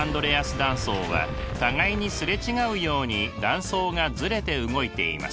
断層は互いに擦れ違うように断層がずれて動いています。